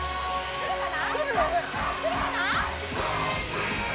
来るかな？